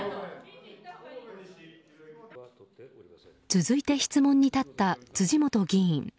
続いて質問に立った辻元議員。